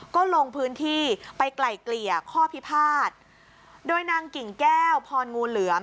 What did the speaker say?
ก็ลงพื้นที่ไปไกล่เกลี่ยข้อพิพาทโดยนางกิ่งแก้วพรงูเหลือม